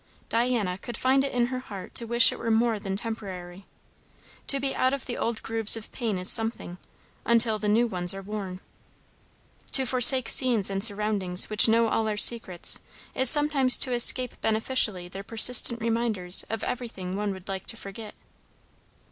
Diana could find it in her heart to wish it were more than temporary. To be out of the old grooves of pain is something, until the new ones are worn. To forsake scenes and surroundings which know all our secrets is sometimes to escape beneficially their persistent reminders of everything one would like to forget.